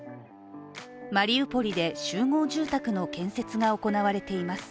マリウポリで集合住宅の建設が行われています。